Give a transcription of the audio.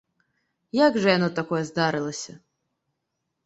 Як жа яно, такое, здарылася?